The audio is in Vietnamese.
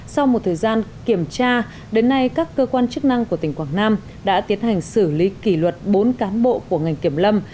sau một thời gian kiểm tra đến nay các cơ quan chức năng của tỉnh quảng nam đã tiến hành xử lý kỷ luật bốn cán bộ của ngành kiểm lâm